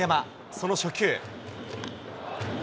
その初球。